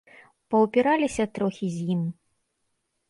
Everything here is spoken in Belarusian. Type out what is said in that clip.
Паўпіраліся трохі з ім.